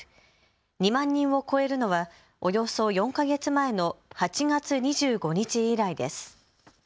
２万人を超えるのはおよそ４か月前の８月２５日以来です。